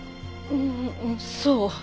うんそう。